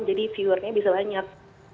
jadi viewernya bisa banyak